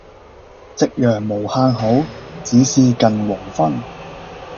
夕陽無限好，只是近黃昏。